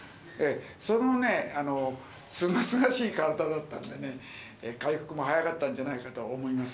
そのすがすがしい体だったんで、回復も早かったんじゃないかと思います。